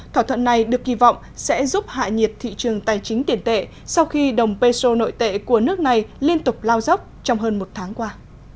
thỏa thuận này được kỳ vọng sẽ giúp hạ nhiệt thị trường tài chính tiền tệ sau khi đồng peso nội tệ của nước này liên tục lao dốc trong hơn một tháng qua